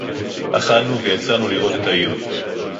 אָכַלְנוּ וְיָצָאנוּ לִרְאוֹת אֶת הָעִיר.